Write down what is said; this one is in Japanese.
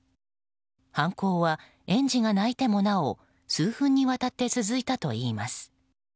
犯行は、園児が泣いてもなお数分にわたって続いたといいます。